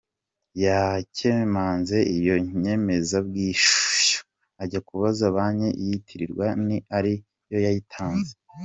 Yakemanze iyo nyemezabwishyu, ajya kubaza Banki iyitirirwa niba ari yo yayitanze.